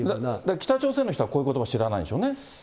北朝鮮の人はこういうことばを知らないんでしょうね。